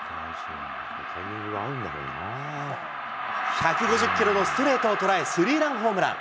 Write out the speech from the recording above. １５０キロのストレートを捉え、スリーランホームラン。